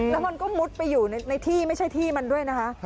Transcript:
แล้วมันก็มุดไปอยู่ในที่ไม่ใช่ที่มันด้วยนะคะ